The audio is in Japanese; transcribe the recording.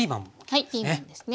はいピーマンもですね。